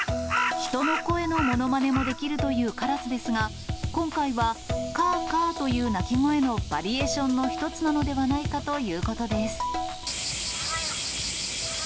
人の声のものまねもできるというカラスですが、今回はかーかーという鳴き声のバリエーションの一つなのでないかということです。